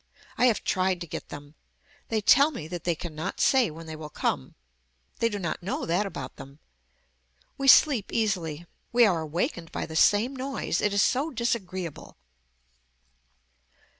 I have tried to get them. They tell me that they cannot say when they will come. They do not know that about them. We sleep easily. We are awakened by the same noise. It is so disagreeable.